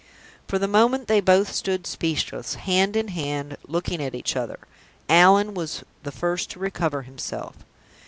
For the moment they both stood speechless, hand in hand, looking at each other. Allan was the first to recover himself.